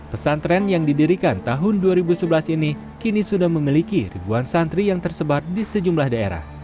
pesantren yang didirikan tahun dua ribu sebelas ini kini sudah memiliki ribuan santri yang tersebar di sejumlah daerah